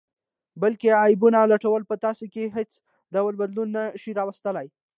بل کې عیبونه لټول په تاسې کې حیڅ ډول بدلون نه شي راوستلئ